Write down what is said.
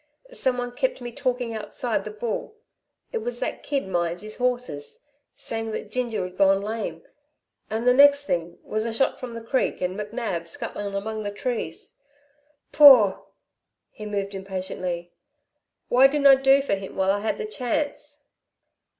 Someone kept me talking outside the Bull it was that kid minds his horses saying that Ginger'd gone lame and the next thing was a shot from the creek and McNab scuttling among the trees. Paugh!" he moved impatiently, "Why didn't I do for him while I had the chance."